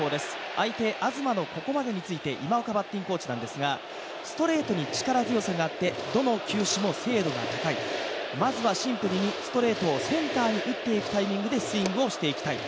相手、東のここまでについて今岡バッティングコーチなんですがストレートに力強さがあってどの球種も精度が高い、まずはシンプルにセンターに打っていくタイミングでスイングをしていきたいと。